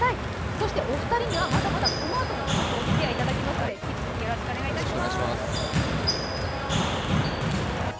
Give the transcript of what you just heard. そしてお二人にはまだまだこのあともおつきあいいただきますので引き続きよろしくお願いします。